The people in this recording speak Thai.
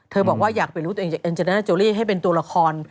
เธอบอกว่าอยากเปลี่ยนรู้ตัวเองจากเอ็นเจอร์แนน่าโจรี่ให้เป็นตัวละคร